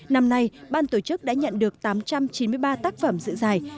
năm nay ban tổ chức đã nhận được tám trăm chín mươi ba tác phẩm dự giải